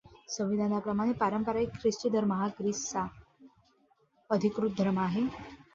संविधानाप्रमाणे पारंपारिक ख्रिस्ती धर्म हा ग्रीसचा अधिकृत धर्म आहे.